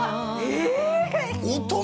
え